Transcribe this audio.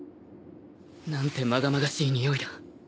何てまがまがしいにおいだ